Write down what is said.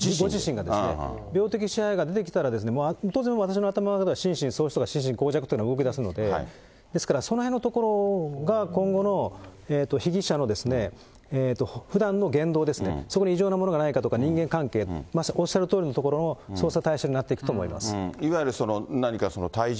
自身がです、病的支配が出てきたら、当然私の頭の中では心神耗弱とか動きだすので、ですから、そのへんのところが今後の被疑者のですね、ふだんの言動ですね、そこに異常なものがないかとか、人間関係、おっしゃるとおりのところの捜査対象になっていくと思います。